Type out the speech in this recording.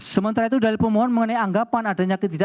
sementara itu dari pemohon mengenai anggapan adanya ketidak